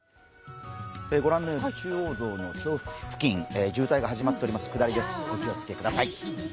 御覧のように中央道の調布付近渋滞が始まっています下りです、お気をつけください。